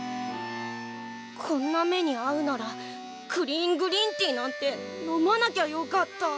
こんな目にあうならクリーングリーンティなんて飲まなきゃよかった。